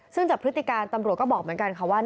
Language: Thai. ซึ่งจากพฤติการตำรวจก็บอกเหมือนกันค่ะว่า